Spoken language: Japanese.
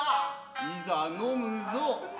いざ呑むぞ。